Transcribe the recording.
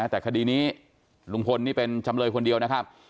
แต่คดีนี้ลุงพลนี่เป็นจำเลยคนเดียวนะครับ